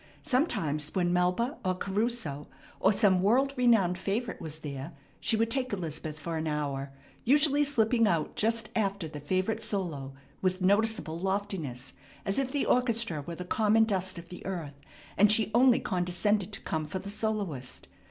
Sometimes, when Melba, or Caruso, or some world renowned favorite was there, she would take Elizabeth for an hour, usually slipping out just after the favorite solo with noticeable loftiness, as if the orchestra were the common dust of the earth, and she only condescended to come for the soloist.